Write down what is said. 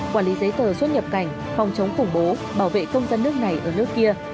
quản lý giấy tờ xuất nhập cảnh phòng chống khủng bố bảo vệ công dân nước này ở nước kia